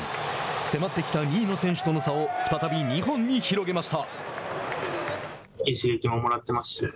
迫ってきた２位の選手との差を再び２本に広げました。